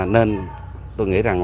nên tôi nghĩ rằng